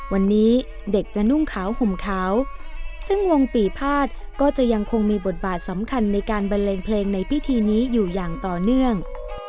วันนี้เด็กจะนุ่งขาวห่มขาวซึ่งวงปีภาษก็จะยังคงมีบทบาทสำคัญในการบันเลงเพลงในพิธีนี้อยู่อย่างต่อเนื่อง